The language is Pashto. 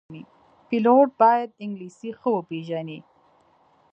پیلوټ باید انګلیسي ښه وپېژني.